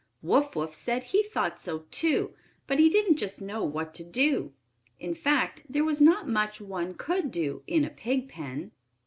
Wuff Wuff said he thought so, too, but he didn't just know what to do. In fact there was not much one could do in a pig pen.